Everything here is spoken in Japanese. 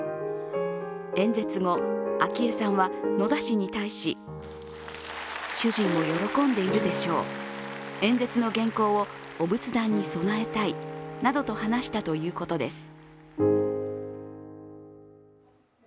演説後、昭恵さんは野田氏に対し主人も喜んでいるでしょう、演説の原稿をお仏壇に供えたいなどと話したということです。